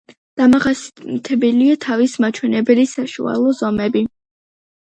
დამახასიათებელია თავის მაჩვენებლის საშუალო ზომები.